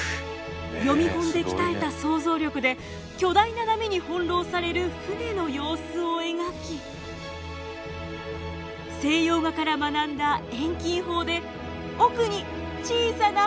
読本で鍛えた想像力で巨大な波に翻弄される船の様子を描き西洋画から学んだ遠近法で奥に小さな富士山を描きました。